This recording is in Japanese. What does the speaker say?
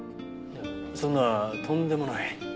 そんなとんでもない。